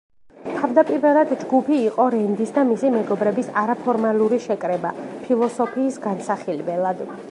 თავდაპირველად, ჯგუფი იყო რენდის და მისი მეგობრების არაფორმალური შეკრება, ფილოსოფიის განსახილველად.